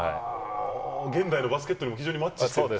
現代のバスケットに非常にマッチしてると？